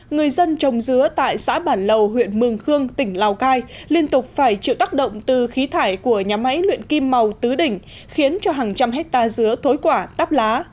người dân trồng dứa tại xã bản lầu huyện mường khương tỉnh lào cai liên tục phải chịu tác động từ khí thải của nhà máy luyện kim màu tứ đỉnh khiến cho hàng trăm hectare dứa thối quả tắp lá